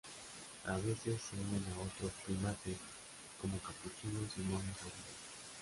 A veces se unen a otros primates, como capuchinos y monos ardilla.